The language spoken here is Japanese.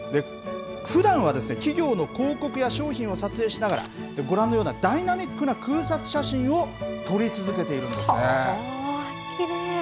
ふだんは企業の広告や商品を撮影しながら、ご覧のようなダイナミックな空撮写真を撮り続けているきれい。